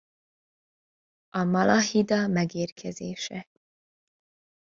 A Malahida megérkezése.